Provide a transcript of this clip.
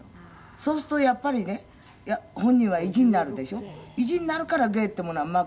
「そうするとやっぱりね本人は意地になるでしょ」「意地になるから芸っていうものはうまくなるんでね」